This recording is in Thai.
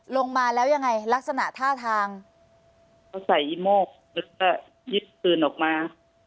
ลงมาแล้วยังไงลักษณะท่าทางเขาใส่อีโมกแล้วก็ยึดปืนออกมา